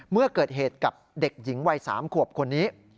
เมื่อเกิดเหตุกับเด็กหญิงวัย๓ขวบคนนี้